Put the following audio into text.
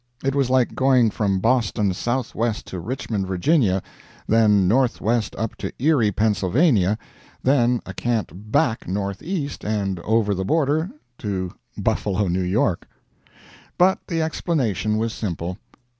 It was like going from Boston southwest to Richmond, Virginia, then northwest up to Erie, Pennsylvania, then a cant back northeast and over the border to Buffalo, New York. But the explanation was simple.